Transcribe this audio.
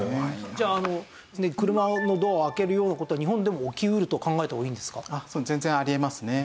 じゃあ車のドアを開けるような事は日本でも起き得ると考えた方がいいんですか？